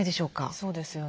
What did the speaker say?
そうですよね。